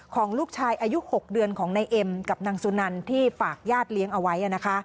ของลูกชายอายุ๖เดือนของนายเอ็มกับนางสุนันที่ฝากญาติเลี้ยงเอาไว้